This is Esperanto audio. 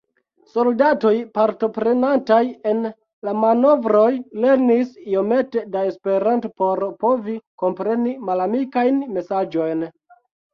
Soldatoj partoprenantaj en la manovroj lernis iomete da Esperanto por povi kompreni malamikajn mesaĝojn.